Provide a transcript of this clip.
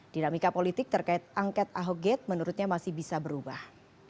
dinamika politik terkait angket ahok gate menurutnya masih bisa berubah